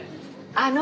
あの。